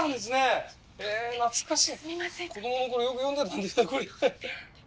子供の頃よく読んでたんですよ。